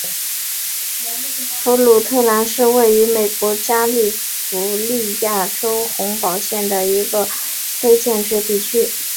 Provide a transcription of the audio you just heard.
弗鲁特兰是位于美国加利福尼亚州洪堡县的一个非建制地区。